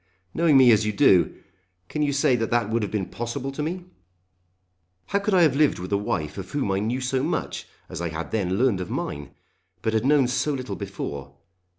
Knowing me as you do, can you say that that would have been possible to me? How could I have lived with a wife of whom I knew so much as I had then learned of mine, but had known so little before.